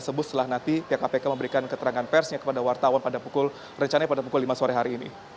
sebut setelah nanti pihak kpk memberikan keterangan persnya kepada wartawan pada pukul rencana pada pukul lima sore hari ini